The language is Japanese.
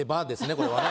これはね。